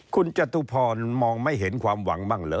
คุณจตุพรมองไม่เห็นความหวังบ้างเหรอ